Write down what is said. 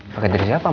paket dari siapa ma